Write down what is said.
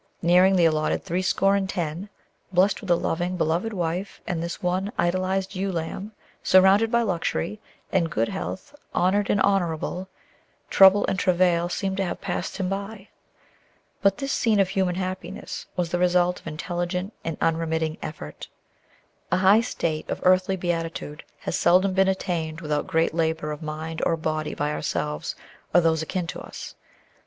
Nearing the allotted threescore and ten, blessed with a loving, beloved wife and this one idolized ewe lamb, surrounded by luxury, in good health, honored, and honorable, trouble and travail seemed to have passed him by. But this scene of human happiness was the result of intelligent and unremitting effort. A high state of earthly beatitude has seldom been attained without great labor of mind or body by ourselves or those akin to us.